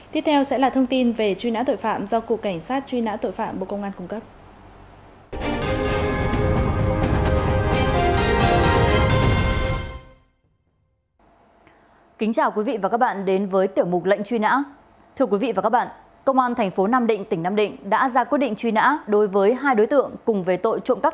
tiếp theo sẽ là thông tin về truy nã tội phạm do cục cảnh sát truy nã tội phạm bộ công an cung cấp